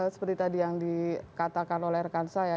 seperti tadi yang dikatakan oleh rekan saya